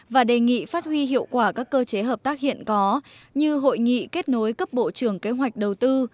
và đề nghị phát huy hiệu quả các cơ chế hợp tác hiện có như hội nghị kết nối cấp bộ trưởng kế hoạch đầu tư